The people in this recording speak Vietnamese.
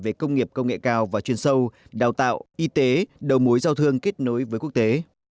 về công nghiệp công nghệ cao và chuyên sâu đào tạo y tế đầu mối giao thương kết nối với quốc tế